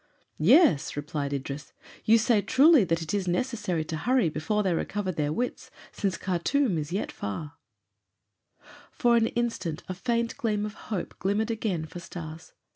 "Yes," replied Idris, "you say truly that it is necessary to hurry, before they recover their wits, since Khartûm is yet far " For an instant a faint gleam of hope glimmered again for Stas.